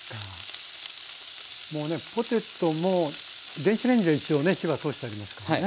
もうねポテトも電子レンジで一応ね火は通してありますからね。